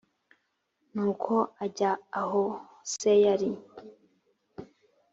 nuko ajya aho se yari